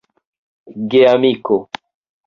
geamiko